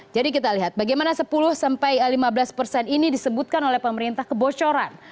jadi kita lihat bagaimana sepuluh hingga lima belas persen ini disebutkan oleh pemerintah kebocoran